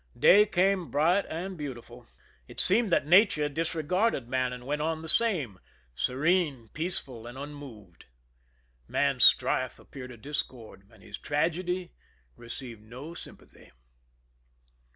Day came bright and beautiful. It seemed that nature disre garded man and went on the same, serene, peaceful, and unmoved. Man's strife appeared a discord, and his 1:ragedy received no sympathy.